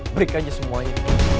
break aja semuanya